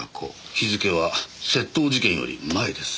日付は窃盗事件より前です。